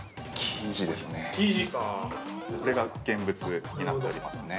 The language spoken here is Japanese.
◆これが現物になっておりますね。